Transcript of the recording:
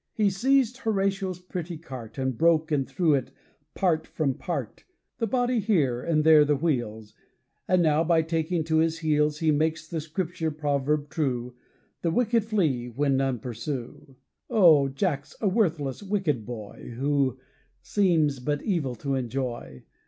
He seized Horatio's pretty cart, And broke and threw it part from part; The body here, and there the wheels; And now, by taking to his heels, He makes the Scripture proverb true, The wicked flee when none pursue.. Oh! Jack's a worthless, wicked boy, Who seems but evil to enjoy.